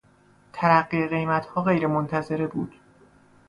ترقی قیمتها غیرمنتظره بود.